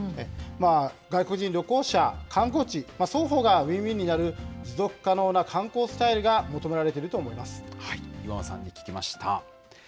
外国人旅行者、観光地、双方がウィンウィンになる、持続可能な観光スタイルが求められていると思岩間さんに聞きました。